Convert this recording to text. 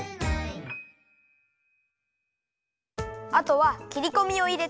あとはきりこみをいれて。